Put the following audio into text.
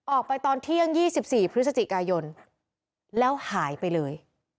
ออกไปตอนเที่ยง๒๔พฤศจิกายนแล้วหายไปเลย